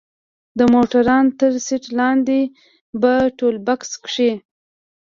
د موټروان تر سيټ لاندې په ټولبکس کښې.